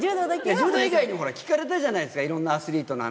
柔道以外にも聞かれたじゃないですか、いろんなアスリートの話。